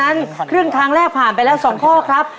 เพราะฉะนั้นครึ่งทางแรกผ่านไปแล้ว๒ข้อครับ